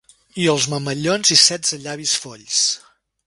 I els mamellons i setze llavis folls...